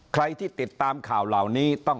ใครที่ติดตามข่าวเหล่านี้